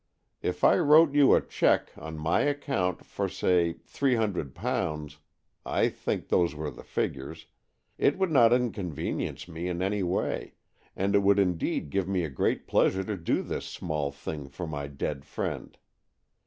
If I wrote you a cheque on my account for, say, three hundred pounds — I think those were the figures — it would not inconvenience me in any way, and it would indeed give me a great pleasure to do this small thing for my dead friend.